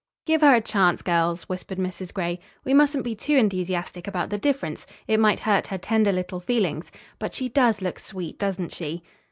"Give her a chance, girls," whispered Mrs. Gray. "We mustn't be too enthusiastic about the difference. It might hurt her tender little feelings. But she does look sweet, doesn't she?"